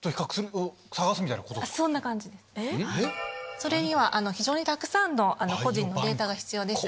それには非常にたくさんの個人のデータが必要です。